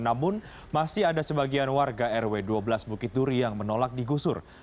namun masih ada sebagian warga rw dua belas bukit duri yang menolak digusur